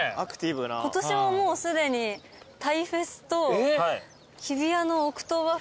今年ももうすでにタイフェスと日比谷のオクトーバーフェスとか行きました。